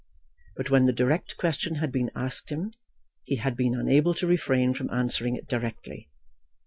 But when the direct question had been asked him he had been unable to refrain from answering it directly.